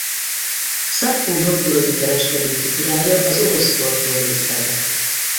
Szadko novgorodi kereskedő figurája az orosz folklór része lett.